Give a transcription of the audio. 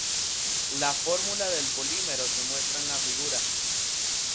La fórmula del polímero se muestra en la figura.